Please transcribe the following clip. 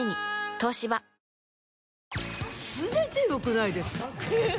東芝全て良くないですか？